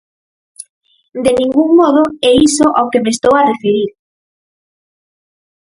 De ningún modo é iso ao que me estou a referir.